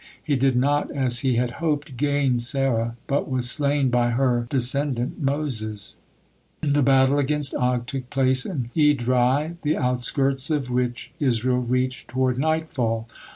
He did not, as he had hoped, gain Sarah, but was slain by her descendant Moses. The battle against Og took place in Edrei, the outskirts of which Israel reached toward nightfall.